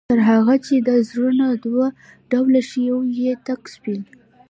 تر هغه چي دا زړونه دوه ډوله شي، يو ئې تك سپين